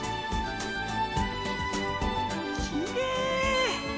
きれい！